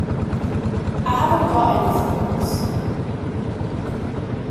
I haven't got any folks.